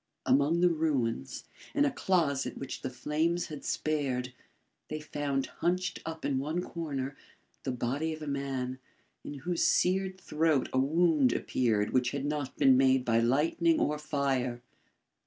Among the ruins, in a closet which the flames had spared, they found hunched up in one corner, the body of a man, in whose seared throat a wound appeared which had not been made by lightning or fire.